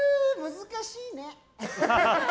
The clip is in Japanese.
難しいね。